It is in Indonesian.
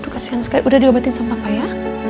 kasian sekali udah diobatin sama pak ya